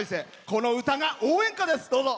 この歌が応援歌です。